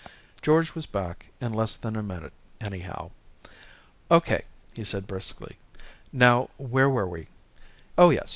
George was back in less than a minute, anyhow. "O.K.," he said briskly. "Now, where were we? Oh, yes.